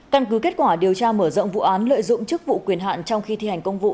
căn cứ kết quả điều tra mở rộng vụ án lợi dụng chức vụ quyền hạn trong khi thi hành công vụ